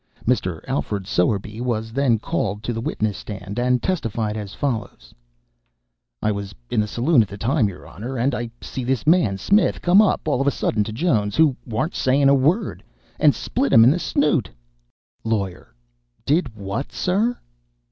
Mr. Alfred Sowerby was then called to the witness stand, and testified as follows: "I was in the saloon at the time, your Honor, and I see this man Smith come up all of a sudden to Jones, who warn't saying a word, and split him in the snoot " LAWYER. "Did what, sir?"